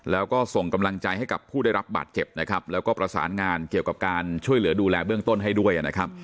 แล้วก็ส่งกำลังใจให้กับผู้ได้รับบาดเจ็บนะครับแล้วก็ประสานงานเกี่ยวกับการช่วยเหลือดูแลเบื้องต้นให้ด้วยนะครับ